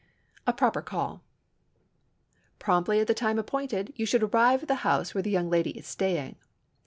A PROPER CALL Promptly at the time appointed you should arrive at the house where the young lady is staying.